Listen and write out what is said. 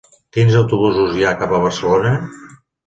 Quins autobusos hi ha cap a Barcelona?